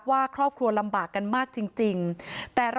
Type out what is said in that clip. พี่สาวบอกว่าไม่ได้ไปกดยกเลิกรับสิทธิ์นี้ทำไม